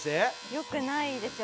良くないですよ。